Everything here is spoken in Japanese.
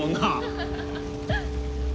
ハハハハ！